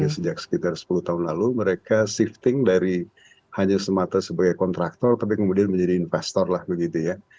sejak sekitar sepuluh tahun lalu mereka shifting dari hanya semata sebagai kontraktor tapi kemudian menjadi investor lah begitu ya